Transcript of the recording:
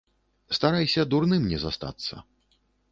Старайся дурным не застацца.